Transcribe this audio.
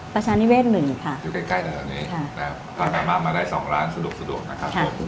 ประชานิเวศ๑ค่ะอยู่ใกล้แถวนี้พาแม่งมามาได้๒ร้านสะดวกนะครับ